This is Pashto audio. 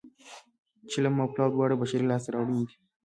چلم او پلاو دواړه بشري لاسته راوړنې دي